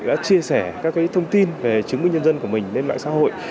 và chia sẻ các cái thông tin về chứng minh nhân dân của mình lên mạng xã hội